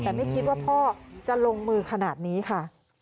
แต่ไม่คิดว่าพ่อจะลงมือขนาดนี้ค่ะ